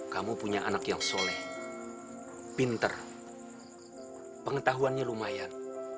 kamu punya anak yang soleh pinter pengetahuannya lumayan